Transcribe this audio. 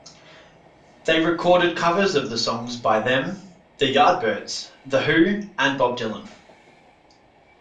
They recorded covers of songs by Them, The Yardbirds, The Who and Bob Dylan.